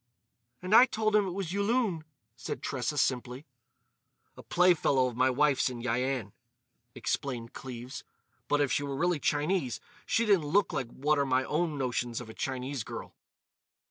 "And I told him it was Yulun," said Tressa, simply. "A playfellow of my wife's in Yian," explained Cleves. "But if she were really Chinese she didn't look like what are my own notions of a Chinese girl."